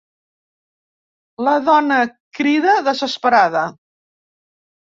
La dona crida desesperada.